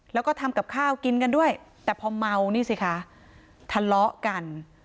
แล้วก็ทำกับข้าวกินกันด้วยแต่พอเมานี่สิคะทะเลาะกัน